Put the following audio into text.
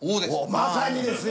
まさにですよ！